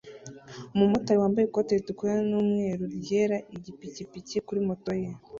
umumotari wambaye ikoti ritukura n'umweru ryera ipikipiki kuri moto ye